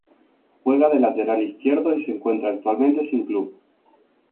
Juega de lateral izquierdo y se encuentra actualmente sin club.